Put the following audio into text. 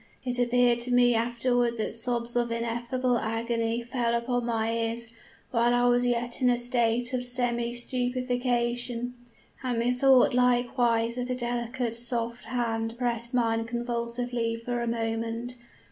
It appeared to me afterward that sobs of ineffable agony fell upon my ears, while I was yet in a state of semi stupefaction and methought likewise that a delicate, soft hand pressed mine convulsively for a moment.